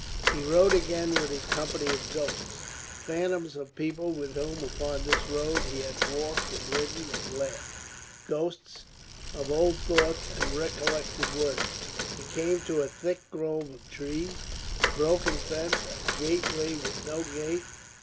He rode again with his company of ghosts phantoms of people with whom upon this road he had walked and ridden and laughed, ghosts of old thoughts and recollected words. He came to a thick grove of trees, a broken fence, a gateway with no gate.